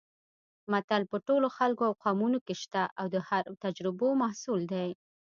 متل په ټولو خلکو او قومونو کې شته او د تجربو محصول دی